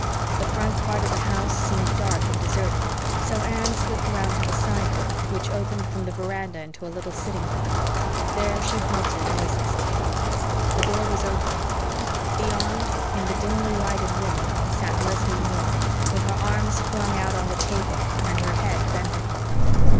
The front part of the house seemed dark and deserted, so Anne slipped round to the side door, which opened from the veranda into a little sitting room. There she halted noiselessly. The door was open. Beyond, in the dimly lighted room, sat Leslie Moore, with her arms flung out on the table and her head bent upon them.